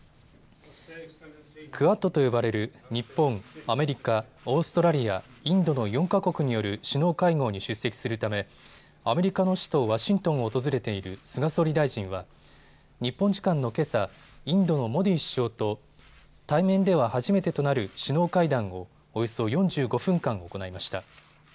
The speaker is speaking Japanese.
クアッドと呼ばれる日本、アメリカ、オーストラリア、インドの４か国による首脳会合に出席するためアメリカの首都ワシントンを訪れている菅総理大臣は日本時間のけさ、インドのモディ首相と対面では初めてとなる首脳会談をおよそ４５分間、行いました。